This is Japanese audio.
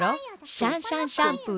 シャンシャンシャンプー。